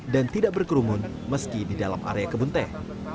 dan tidak berkerumun meski di dalam area kebun teh